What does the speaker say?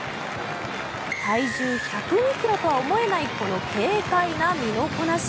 体重１０２ｋｇとは思えないこの軽快な身のこなし。